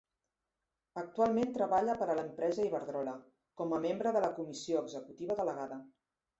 Actualment treballa per a l'empresa Iberdrola, com a membre de la Comissió Executiva Delegada.